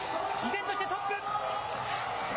依然としてトップ。